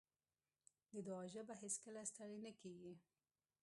د دعا ژبه هېڅکله ستړې نه کېږي.